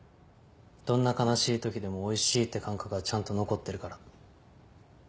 どんな悲しいときでもおいしいって感覚はちゃんと残ってるから。